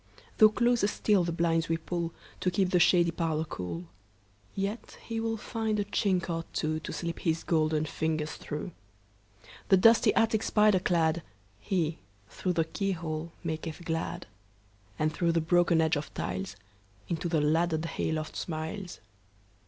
Though closer still the blinds we pullTo keep the shady parlour cool, Yet he will find a chink or twoTo slip his golden fingers through. The dusty attic spider cladHe, through the keyhole, maketh glad; And through the broken edge of tiles, Into the laddered hay loft smiles.